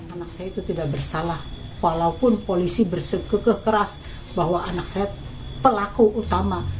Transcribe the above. anak saya itu tidak bersalah walaupun polisi bersekeh keras bahwa anak saya pelaku utama